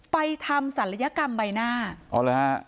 ไปทำศัลยกรรมใบหน้าอ๋อเหรอฮะ